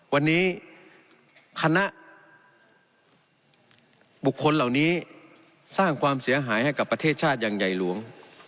วันนี้คณะบุคคลเหล่านี้สร้างความเสียหายให้กับประเทศชาติอย่างใหญ่หลวง